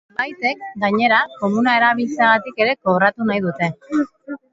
Zenbaitek, gainera, komuna erabiltzeagatik ere kobratu nahi dute.